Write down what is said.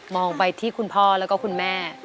องไปที่คุณพ่อแล้วก็คุณแม่